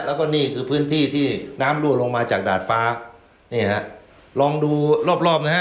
แล้วก็นี่คือพื้นที่ที่น้ำรั่วลงมาจากดาดฟ้านี่ฮะลองดูรอบรอบนะฮะ